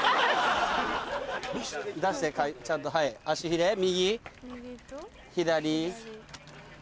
出してちゃんとはい足ひれ右左。